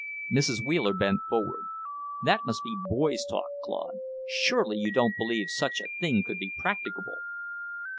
Mrs. Wheeler bent forward. "That must be boys' talk, Claude. Surely you don't believe such a thing could be practicable?"